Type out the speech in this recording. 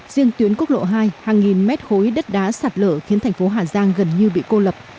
riêng tuyến quốc lộ hai hàng nghìn mét khối đất đá sạt lở khiến thành phố hà giang gần như bị cô lập